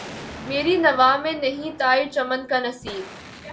مری نوا میں نہیں طائر چمن کا نصیب